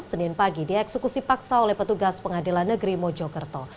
senin pagi dieksekusi paksa oleh petugas pengadilan negeri mojokerto